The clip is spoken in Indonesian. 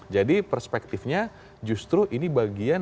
jadi perspektifnya justru ini bagian